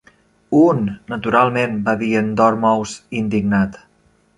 "Un, naturalment!" va dir en Dormouse indignat.